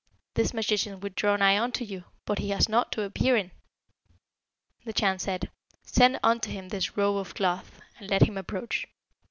This magician would draw nigh unto you, but he has nought to appear in.' The Chan said, 'Send unto him this robe of cloth, and let him approach.'